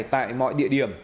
tại mọi địa điểm